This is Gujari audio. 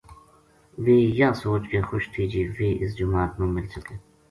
ویہ یاہ سوچ کے خوش تھی جے ویہ اس جماعت ما مل سکے